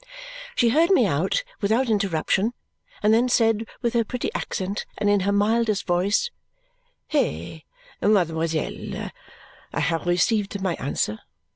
She heard me out without interruption and then said with her pretty accent and in her mildest voice, "Hey, mademoiselle, I have received my answer!